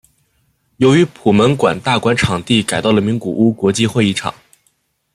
由于普门馆大馆场地改到了名古屋国际会议场。